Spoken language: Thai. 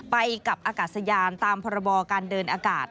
ไปกับอากาศยานตามพรบการเดินอากาศ